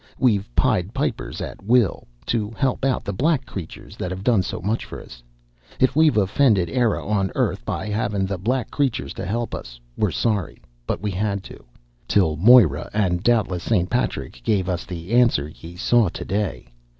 We've pied pipers at will, to help out the black creatures that've done so much for us. If we've offended Eire on Earth, by havin' the black creatures to help us, we're sorry. But we had to till Moira and doubtless St. Patrick gave us the answer ye saw today.